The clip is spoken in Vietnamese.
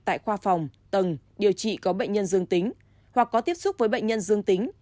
tại khoa phòng tầng điều trị có bệnh nhân dương tính hoặc có tiếp xúc với bệnh nhân dương tính